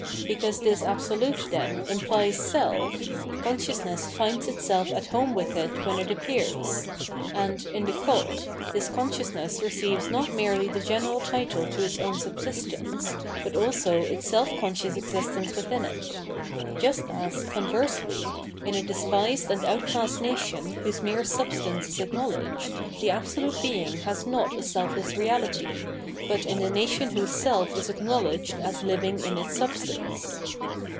Because this Absolute, then, imphes self, consciousness finds itself at home with it 731 732 PTienornmology of Mind when it appears ; and, in the cult, this consciousness receives not merely the general title to its own sub sistence, but also its selE conscious existence within it : just as, conversely, in a despised and outcast nation whose mere substance is acknowledged, the absolute Being has not a seMess reahty, but in the nation whose self is acknowledged as living in its substance.